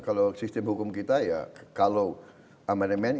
kalau sistem hukum kita ya kalau amandemen